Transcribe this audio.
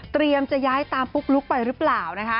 จะย้ายตามปุ๊กลุ๊กไปหรือเปล่านะคะ